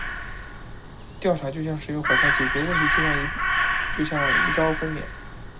调查就像“十月怀胎”，解决问题就像“一朝分娩”。